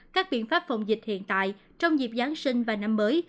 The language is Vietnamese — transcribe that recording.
các biện pháp phòng dịch hiện tại trong dịp giáng sinh và năm mới